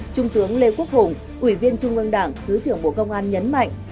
trung tướng lê quốc hùng ủy viên trung ương đảng thứ trưởng bộ công an nhấn mạnh